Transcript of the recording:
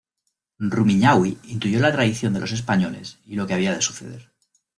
Rumiñahui intuyó la traición de los españoles y lo que había de suceder.